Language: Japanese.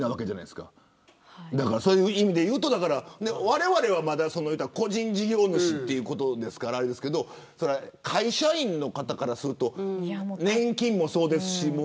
そういう意味で言うとわれわれは個人事業主ということですから会社員の方からすると年金もそうですし。